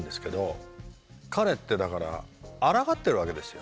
彼ってだからあらがってるわけですよ。